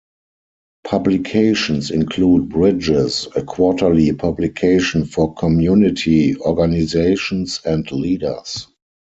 Publications include "Bridges", a quarterly publication for community organizations and leaders.